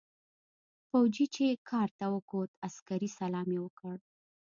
فوجي چې کارت ته وکوت عسکري سلام يې وکړ.